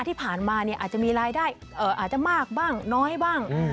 ที่ผ่านมาอาจจะมีรายได้อาจจะมากบ้างน้อยบ้าง